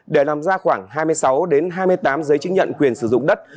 để làm ra khoảng hai mươi sáu hai mươi tám giấy chứng nhận quyền sử dụng đất